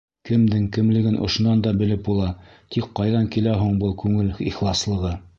Кемдең кемлеген ошонан да белеп була, тик ҡайҙан килә һуң был күңел ихласлығы?